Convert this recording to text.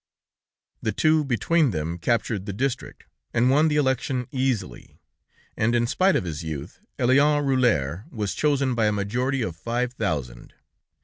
The two between them captured the district, and won the election easily, and in spite of his youth, Eliénne Rulhiére was chosen by a majority of five thousand.